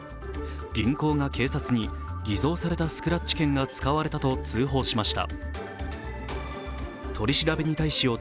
銀行が警察に偽造されたスクラッチ券が使われたと通報しました。